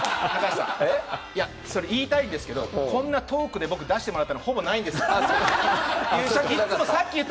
言いたいんですけれども、こんなトークで出してもらったの僕、ほぼないんです。